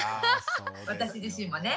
私自身もね。